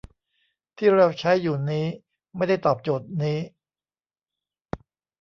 ที่เราใช้อยู่นี้ไม่ได้ตอบโจทย์นี้